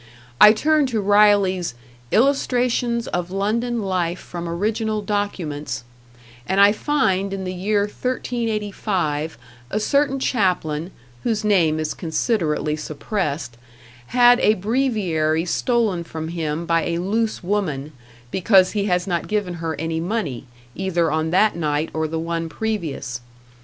I turn to Riley's "Illustrations of London Life from Original Documents," and I find in the year 1385 a certain chaplain, whose name is considerately suppressed, had a breviary stolen from him by a loose woman, because he has not given her any money, either on that night or the one previous.